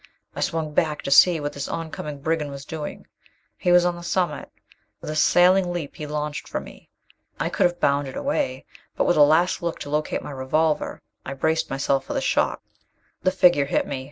I swung back to see what this oncoming brigand was doing. He was on the summit: with a sailing leap he launched for me. I could have bounded away, but with a last look to locate the revolver, I braced myself for the shock. The figure hit me.